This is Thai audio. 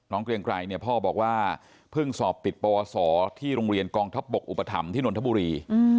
น้องเกลียงไกรพ่อบอกว่าเพิ่งสอบปิดปศที่โรงเรียนกองทับปกอุปถรรมที่นนทบุรี